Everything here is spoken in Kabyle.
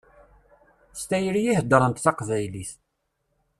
S tayri i heddṛent taqbaylit.